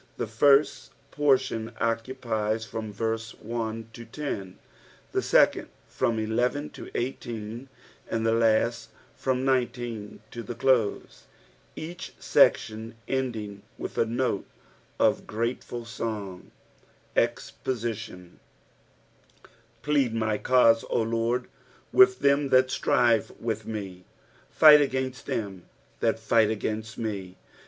The first portion, oeatpiesfrom verse Ito 10, the second from 11 to 18, and Ike last from 10 to the «lo«, each seeHon en^ng with a note qf grateful song. EXPoamON. PLEAD my cause, O LORD, with them that strive with me : fight against them that fight against me.